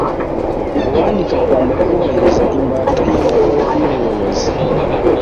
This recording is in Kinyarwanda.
Uwandika agomba kubahiriza imbata y’ibaruwa y’ubuyobozi.